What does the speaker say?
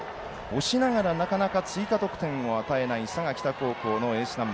押しながらなかなか追加得点を与えない佐賀北高校のエース